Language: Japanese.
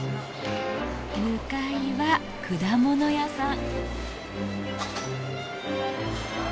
向かいは果物屋さん。